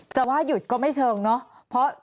จะว่าหยุดก็ไม่เชิงเนาะ